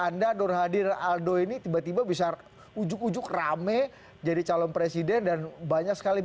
nur hadi aldo ini tiba tiba bisa ujug ujug rame jadi calon presiden dan banyak sekali